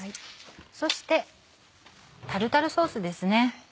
そしてタルタルソースですね。